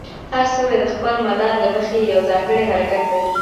هر ستوری د خپل مدار له مخې یو ځانګړی حرکت لري.